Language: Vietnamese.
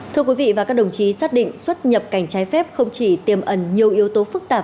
thưa quý vị và các đồng chí xác định xuất nhập cảnh trái phép không chỉ tiềm ẩn nhiều yếu tố phức tạp